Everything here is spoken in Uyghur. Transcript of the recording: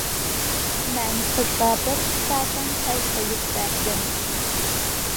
مەن قىزغا بىر ئىستاكان چاي قويۇپ بەردىم.